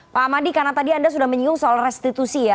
pak ahmadi karena tadi anda sudah menyinggung soal restitusi ya